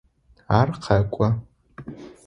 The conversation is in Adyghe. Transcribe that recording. Ар къэкӏо.